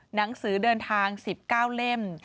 หนังสือเดินทาง๑๙เล่ม